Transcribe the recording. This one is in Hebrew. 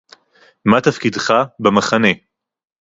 מַה תַּפְקִידְךָ בַּמַּחֲנֶה?